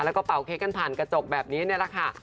แล้วก็เป่าเค้กกันผ่านกระจกแบบนี้นี่แหละค่ะ